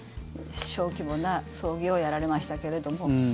小規模な葬儀をやられましたけれども。